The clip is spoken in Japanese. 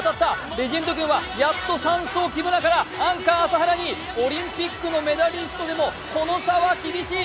レジェンド軍はやっと３走・木村からオリンピックのメダリストでもこの差は厳しい。